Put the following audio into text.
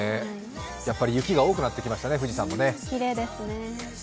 雪が多くなってきましたね、富士山もね。